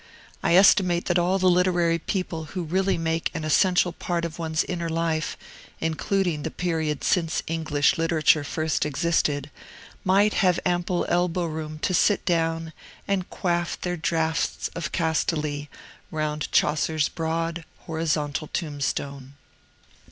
I estimate that all the literary people who really make an essential part of one's inner life, including the period since English literature first existed, might have ample elbow room to sit down and quaff their draughts of Castaly round Chaucer's broad, horizontal tombstone.